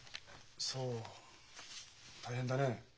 そう大変だね。